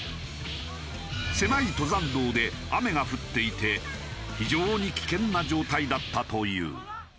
狭い登山道で雨が降っていて非常に危険な状態だったという。